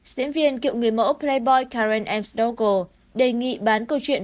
diễn viên cựu người mẫu playboy karen ams dougal đề nghị bán câu chuyện